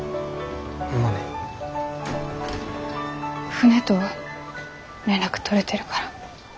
船とは連絡取れてるから。